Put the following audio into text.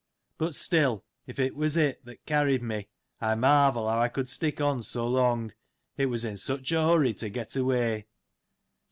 But still, if it was it, that carried me, I mai vel how I could stick on so long, it was in such a hurry to get away.